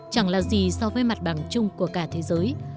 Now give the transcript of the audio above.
chẳng là gì so với mặt bằng chung của cả thế giới